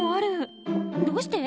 どうして？